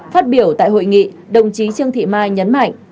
phát biểu tại hội nghị đồng chí trương thị mai nhấn mạnh